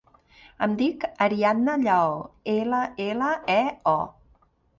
Em dic Ariadna Lleo: ela, ela, e, o.